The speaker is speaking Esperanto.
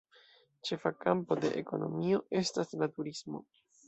Ĉefa kampo de ekonomio estas la turismo.